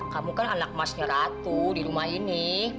kamu kan anak emasnya ratu di rumah ini